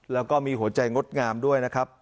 แล้วก็มีหัวใจงดงามด้วยนะครับ